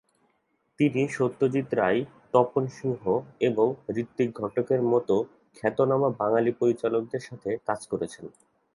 তিনি সত্যজিৎ রায়, তপন সিংহ এবং ঋত্বিক ঘটকের মতো খ্যাতনামা বাঙালি পরিচালকদের সাথে কাজ করেছেন।